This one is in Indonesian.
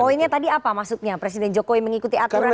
poinnya tadi apa maksudnya presiden jokowi mengikuti aturan ini